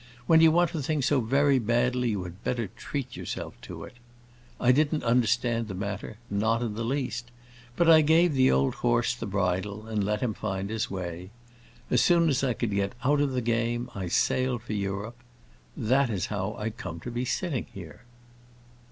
When you want a thing so very badly you had better treat yourself to it. I didn't understand the matter, not in the least; but I gave the old horse the bridle and let him find his way. As soon as I could get out of the game I sailed for Europe. That is how I come to be sitting here."